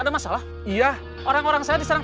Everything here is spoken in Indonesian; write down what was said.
ada masalah iya orang orang saya diserang